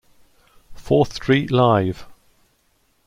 Fourth Street Live!